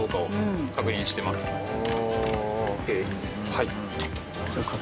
はい。